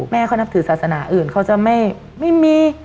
แม่เขานับถือศาสนาอื่นเขาจะไม่มี